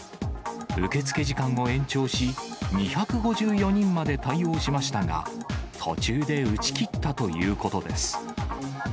受け付け時間を延長し、２５４人まで対応しましたが、途中で打ち切ったということです。